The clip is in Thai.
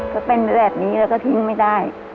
ก็เป็นแบบนี้แล้วก็ทิ้งไม่ได้